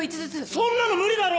そんなの無理だろ！